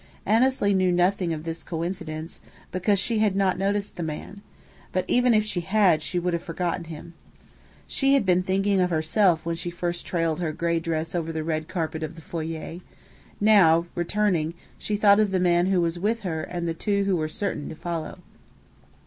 Annesley knew nothing of this coincidence, because she had not noticed the man; but even if she had, she would have forgotten him. She had been thinking of herself when she first trailed her gray dress over the red carpet of the foyer; now, returning, she thought of the man who was with her and the two who were certain to follow.